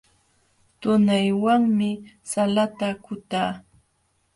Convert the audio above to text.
Tunaywanmi salata kutaa.